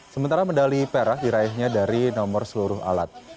sementara medali pera diraihnya dari nomor seluruh alat